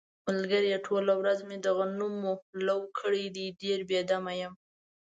ملگریه ټوله ورځ مې د غنمو لو کړی دی، ډېر بې دمه یم.